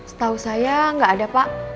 setahu saya nggak ada pak